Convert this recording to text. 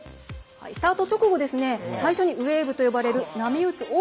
スタート直後、最初にウェーブと呼ばれる波打つ